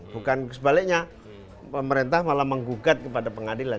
bukan sebaliknya pemerintah malah menggugat kepada pengadilan